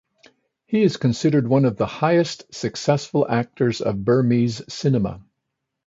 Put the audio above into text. He is considered one of the highest successful actors of Burmese cinema.